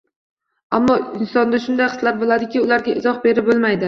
Ammo insonda shunday hislar bo‘ladiki, ularga izoh berib bo‘lmaydi.